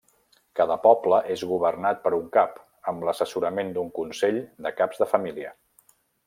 Cada poble és governat per un cap, amb l'assessorament d'un consell de caps de família.